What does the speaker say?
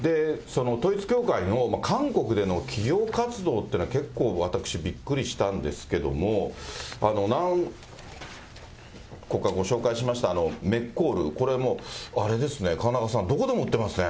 その統一教会の韓国での企業活動っていうのは、結構私、びっくりしたんですけども、何個かご紹介しました、メッコール、これもあれですね、河中さん、どこでも売ってますね。